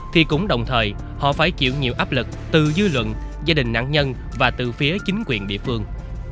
thì cũng đồng thời họ phải chịu nhiều áp lực từ dư luận gia đình nạn nhân và từ phía chính quyền địa phương